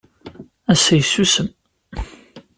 Ass-a yessusem.